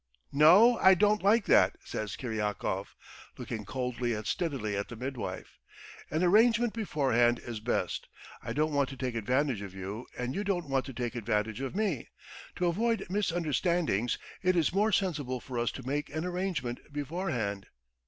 "No, I don't like that," says Kiryakov, looking coldly and steadily at the midwife. "An arrangement beforehand is best. I don't want to take advantage of you and you don't want to take advantage of me. To avoid misunderstandings it is more sensible for us to make an arrangement beforehand."